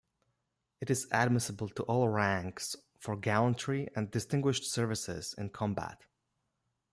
It is admissible to all ranks for gallantry and distinguished services in combat.